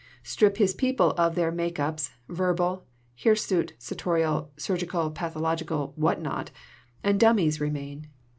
"Strip his people of their make ups, verbal, hirsute, sartorial, surgical, pathological, what not and dummies remain.